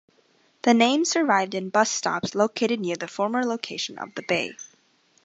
The name survived in bus stops located near the former location of the bay.